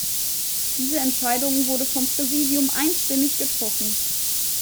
Diese Entscheidung wurde vom Präsidium einstimmig getroffen.